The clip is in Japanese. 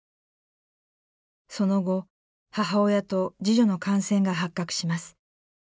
その後母親と次女の感染が発覚します。